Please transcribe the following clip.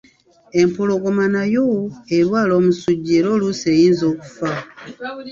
Empologoma nayo erwala omusujja era oluusi eyinza okufa.